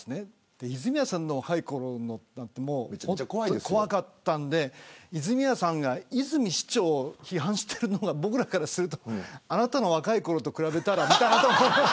泉谷さんの若いころも本当に怖かったので泉谷さんが泉市長を批判してるのは僕らからするとあなたの若いころと比べたらみたいな。